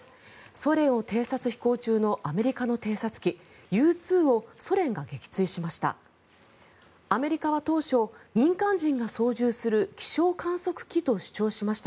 ソ連を偵察飛行中のアメリカの偵察機Ｕ２をソ連が撃墜しました。